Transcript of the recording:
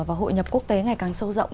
và hội nhập quốc tế ngày càng sâu rộng